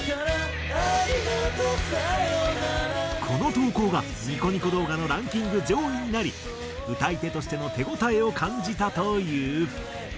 この投稿がニコニコ動画のランキング上位になり歌い手としての手応えを感じたという。